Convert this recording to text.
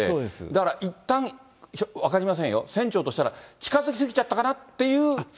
だから、いったん、分かりませんよ、船長としたら近づきすぎちゃったかなっていう。